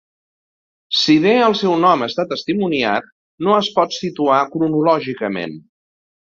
Si bé el seu nom està testimoniat no es pot situar cronològicament.